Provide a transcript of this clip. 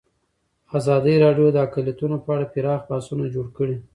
ازادي راډیو د اقلیتونه په اړه پراخ بحثونه جوړ کړي.